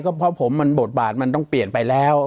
เพราะผมมันบทบาทมันต้องเปลี่ยนไปแล้ว